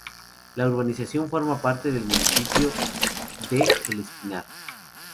La urbanización forma parte del municipio de El Espinar.